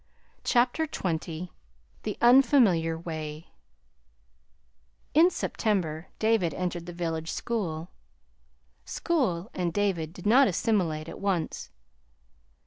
CHAPTER XX THE UNFAMILIAR WAY In September David entered the village school. School and David did not assimilate at once.